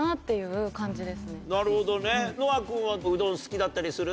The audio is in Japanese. なるほどね乃愛君はうどん好きだったりする？